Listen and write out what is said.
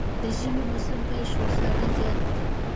د ژمي موسم پيل شو ساړه زيات دی